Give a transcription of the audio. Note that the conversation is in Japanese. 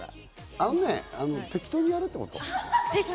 あのね、適当にやるということ。